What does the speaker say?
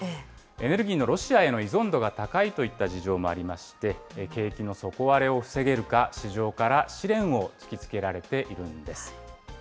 エネルギーのロシアへの依存度が高いといった事情もありまして、景気の底割れを防げるか、市場から試練を突きつけられているんです。